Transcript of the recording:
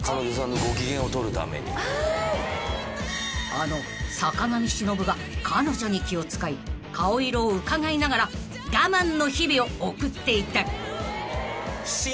［あの坂上忍が彼女に気を使い顔色をうかがいながら我慢の日々を送っていた］